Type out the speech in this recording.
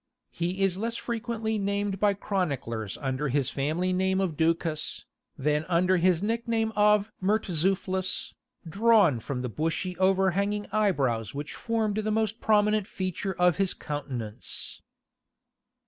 He is less frequently named by chroniclers under his family name of Ducas, than under his nickname of "Murtzuphlus," drawn from the bushy overhanging eyebrows which formed the most prominent feature of his countenance.